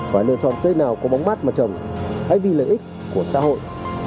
và lựa chọn cây nào có bóng mát mà trồng hãy vì lợi ích của xã hội